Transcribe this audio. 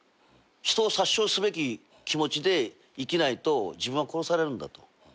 人を殺傷すべき気持ちで生きないと自分は殺されるんだと。